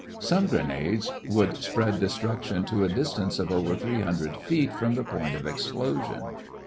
Some grenades would spread destruction to a distance of over three hundred feet from the point of explosion.